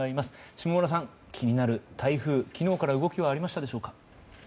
下村さん、気になる台風昨日から動きはありましたか？